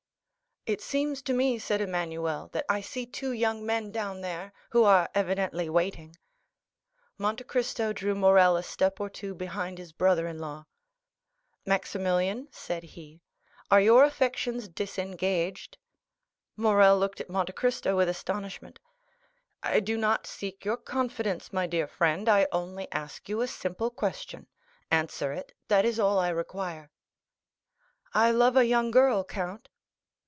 "It seems to me," said Emmanuel, "that I see two young men down there, who are evidently, waiting." Monte Cristo drew Morrel a step or two behind his brother in law. "Maximilian," said he, "are your affections disengaged?" Morrel looked at Monte Cristo with astonishment. "I do not seek your confidence, my dear friend. I only ask you a simple question; answer it;—that is all I require." "I love a young girl, count."